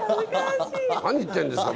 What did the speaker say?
何言ってんですか！